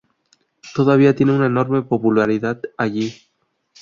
Todavía tiene una enorme popularidad allí.